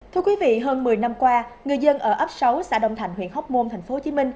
thưa quý vị hơn một mươi năm qua người dân ở ấp sáu xã đông thành huyện hóc môn tp hcm